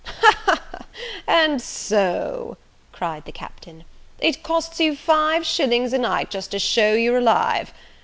"Ha, ha, ha! and so," cried the Captain, "it costs you five shillings a night just to shew you're alive!